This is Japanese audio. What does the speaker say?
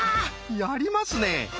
やりますね！